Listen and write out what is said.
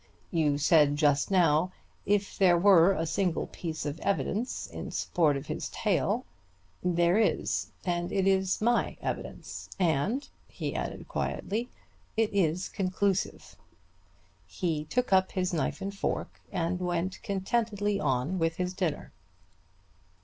You said just now, 'If there were a single piece of evidence in support of his tale.' There is, and it is my evidence. And," he added quietly, "it is conclusive." He took up his knife and fork and went contentedly on with his dinner.